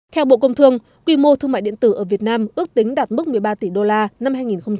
theo bộ công thương quy mô thương mại điện tử ở việt nam ước tính đạt mức một mươi ba tỷ đô la năm hai nghìn hai mươi